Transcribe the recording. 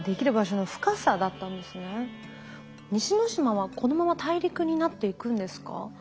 西之島はこのまま大陸になっていくんですか？